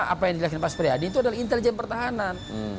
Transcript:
apa yang dilakukan pak supriyadi itu adalah intelijen pertahanan